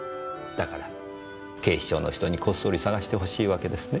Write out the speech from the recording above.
だから警視庁の人にこっそり捜してほしいわけですね？